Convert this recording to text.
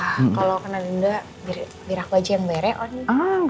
kalau kena denda biar aku aja yang bere oni